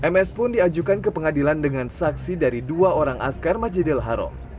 ms pun diajukan ke pengadilan dengan saksi dari dua orang askar masjidil haram